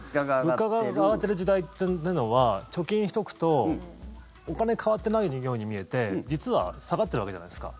物価が上がってる時代というのは貯金しておくとお金変わってないように見えて実は下がっているわけじゃないですか。